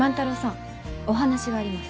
お話があります。